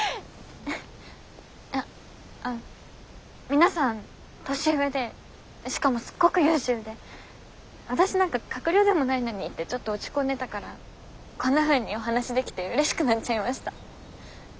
いや皆さん年上でしかもすっごく優秀で私なんか閣僚でもないのにってちょっと落ち込んでたからこんなふうにお話しできてうれしくなっちゃいました。